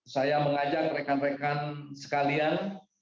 saya mengajak rekan rekan sekalian